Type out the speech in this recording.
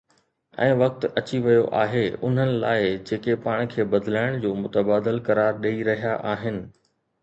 ۽ وقت اچي ويو آهي انهن لاءِ جيڪي پاڻ کي بدلائڻ جو متبادل قرار ڏئي رهيا آهن.